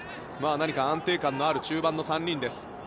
安定感のある中盤の３人です。